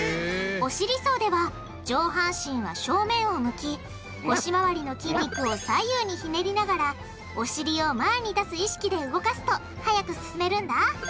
お尻走では上半身は正面を向き腰回りの筋肉を左右にひねりながらお尻を前に出す意識で動かすと速く進めるんだ。